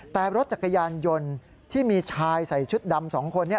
แต่รถจักรยานยนต์ที่มีชายใส่ชุดดำ๒คน